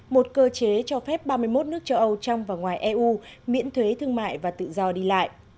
một cơ chế cho phép ba mươi một nước châu âu trong và ngoài eu miễn thuế thương mại và tự do đi lại